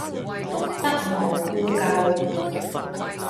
不忘故舊